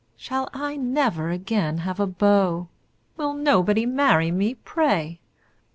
Shall I never again have a beau? Will nobody marry me, pray!